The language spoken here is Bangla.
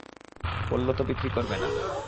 বললো তো বিক্রি করবে না।